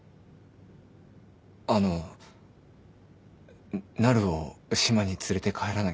あのなるを島に連れて帰らなきゃだし。